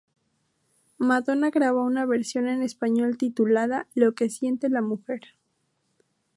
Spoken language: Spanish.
Madonna grabó una versión en español titulada "Lo que siente la mujer".